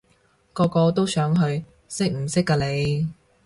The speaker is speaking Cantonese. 個個都想去，識唔識㗎你？